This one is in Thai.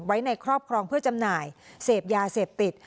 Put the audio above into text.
ไว้ในครอบครองเพื่อจำหน่ายเสพยาเสพติด